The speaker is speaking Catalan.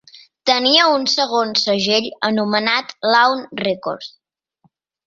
Tenia un segon segell anomenat Lawn Records.